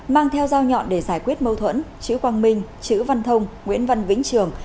mang theo dao nhọn để giải quyết mâu thuẫn chữ quang minh chữ văn thông nguyễn văn vĩnh trường